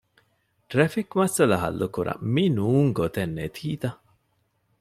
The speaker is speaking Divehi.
ޓްރެފިކް މައްސަލަ ހައްލުކުރަން މިނޫން ގޮތެއް ނެތީތަ؟